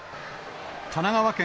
神奈川県